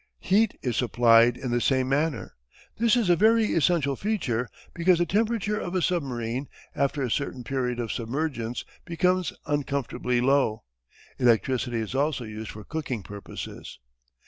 Heat is supplied in the same manner; this is a very essential feature because the temperature of a submarine, after a certain period of submergence, becomes uncomfortably low. Electricity is also used for cooking purposes.